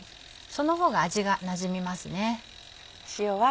そのほうが味がなじみますね。